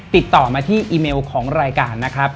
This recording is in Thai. ติดต่อมาที่อีเมลของรายการนะครับ